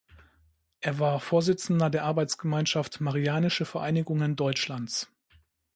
Er war Vorsitzender der Arbeitsgemeinschaft marianische Vereinigungen Deutschlands.